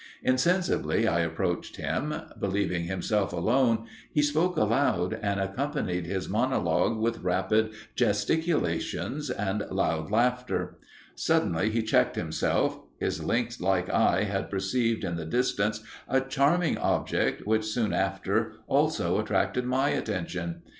Insensibly I approached him. Believing himself alone, he spoke aloud, and accompanied his monologue with rapid gesticulations and loud laughter. Suddenly he checked himself; his lynx like eye had perceived in the distance a charming object, which soon after also attracted my attention.